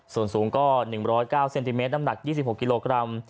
ส่วนสูงก็๑๐๙เซนติเมตรน้ำหนัก๒๖กิโลกรัม